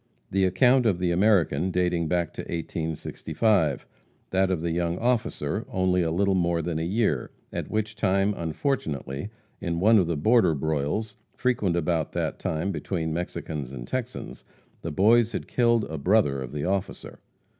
The account of the American dated back to 1865 that of the young officer only a little more than a year, at which time, unfortunately, in one of the border broils, frequent about that time between Mexicans and Texans, the Boys had killed a brother of the officer.